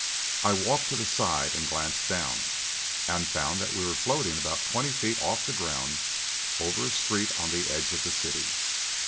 I walked to the side and glanced down, and found that we were floating about twenty feet off the ground over a street on the edge of the city.